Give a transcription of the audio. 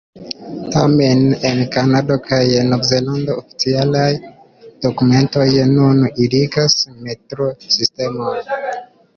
Tamen en Kanado kaj Novzelando, oficialaj dokumentoj nun utiligas metro-sistemon.